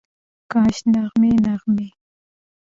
کاشکي، نغمې، نغمې